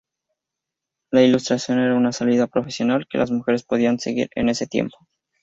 La ilustración era una salida profesional que las mujeres podían seguir en ese tiempo.